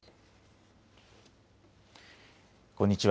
こんにちは。